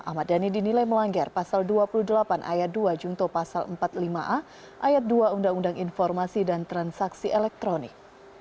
ahmad dhani dinilai melanggar pasal dua puluh delapan ayat dua jungto pasal empat puluh lima a ayat dua undang undang informasi dan transaksi elektronik